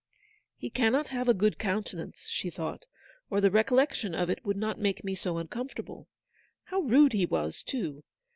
"He cannot have a good countenance/' she thought, u or the recollection of it would not make me so uncomfortable. How rude he was, too